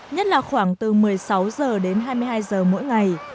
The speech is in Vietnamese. nhất là khoảng từ một mươi sáu h đến hai mươi hai giờ mỗi ngày